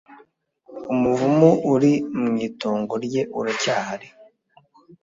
Umuvumu uri mu itongo rye uracyahari